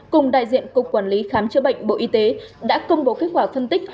cùng đại diện cục quản lý khám chữa bệnh bộ y tế đã công bố kết quả phân tích